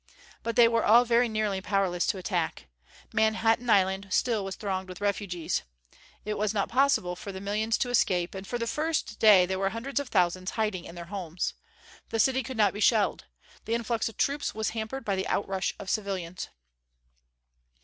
But they were all very nearly powerless to attack. Manhattan Island still was thronged with refugees. It was not possible for the millions to escape; and for the first day there were hundreds of thousands hiding in their homes. The city could not be shelled. The influx of troops was hampered by the outrush of civilians.